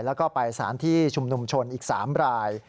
แล้วก็ไปสถานที่ชุมนุมชนอีก๓ราย